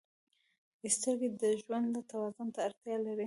• سترګې د ژوند توازن ته اړتیا لري.